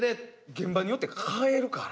現場によって変えるから。